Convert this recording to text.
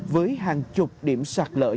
với hàng chục điểm sạt lở nghiêm trọng